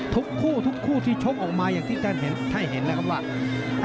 ทุกคู่ทุกคู่ที่ชกออกมาอย่างที่ท่านให้เห็นแล้วครับว่า